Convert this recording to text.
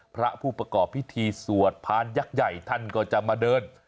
พระผู้ประกอบพิธีสวดพานยักษ์ใหญ่ท่านก็จะมาเดิน